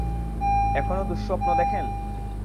এখনো দুঃস্বপ্ন দেখেন?